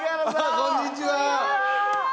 こんにちは！